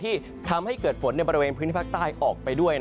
ที่ทำให้เกิดฝนในบริเวณพื้นที่ภาคใต้ออกไปด้วย